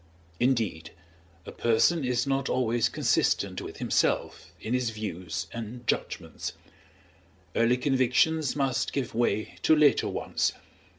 Indeed, a person is not always consistent with himself in his views and judgments: early convictions must give way to later ones.